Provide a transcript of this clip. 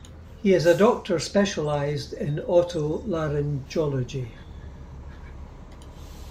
He is a doctor specialized in otolaryngology.